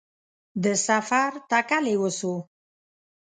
د سفر تکل یې وسو